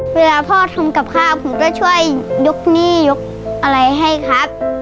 เวลาพ่อทำกับข้าวผมก็ช่วยยกหนี้ยกอะไรให้ครับ